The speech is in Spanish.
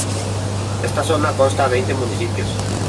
Esta zona consta veinte municipios.